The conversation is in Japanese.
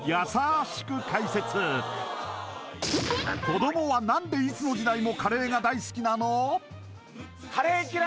子どもは何でいつの時代もカレーが大好きなの？